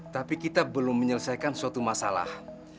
tapi kita belum menyelesaikan suatu masalah